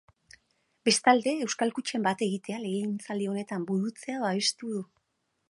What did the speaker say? Bestalde, euskal kutxen bat-egitea legegintzaldi honetan burutzea babestu du.